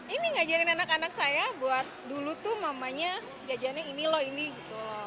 ini ngajarin anak anak saya buat dulu tuh mamanya jajannya ini loh ini gitu loh